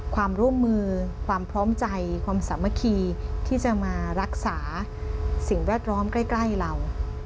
ความร่วมมือความพร้อมใจความสามัคคีที่จะมารักษาสิ่งแวดล้อมใกล้เรา